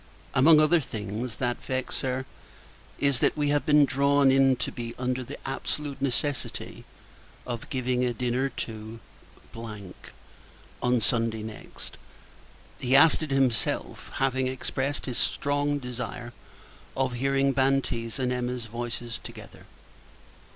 Among other things that vex her, is that we have been drawn in to be under the absolute necessity of giving a dinner to on Sunday next. He asked it himself; having expressed his strong desire of hearing Banti's and Emma's voices together.